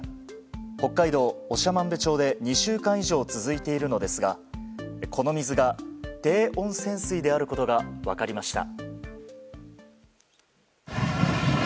北海道長万部町で２週間以上続いているのですがこの水が低温泉水であることが分かりました。